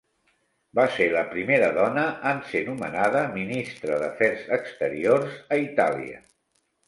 Va ser la primera dona en ser nomenada ministra d'Afers Exteriors a Itàlia.